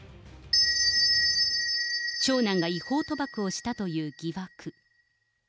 長男が違法賭博をしたという疑惑。